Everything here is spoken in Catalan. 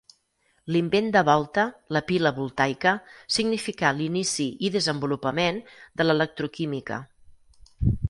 L'invent de Volta, la pila voltaica, significà l'inici i desenvolupament de l'electroquímica.